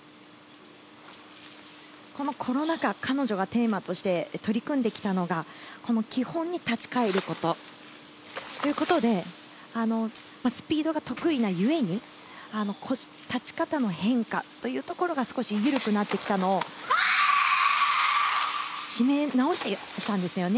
このコロナ禍、彼女がテーマとして取り組んできたのは基本に立ち返ることということでスピードが得意な故に立ち方の変化というのが少し緩くなってきたのを締め直したんですよね。